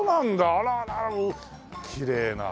あららきれいな。